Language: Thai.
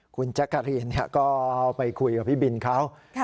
คุณแจ๊กกะรีนก็ไปคุยกับพี่บินเขา